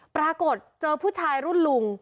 ปรากฏเจอผู้ชายรุ่นลุง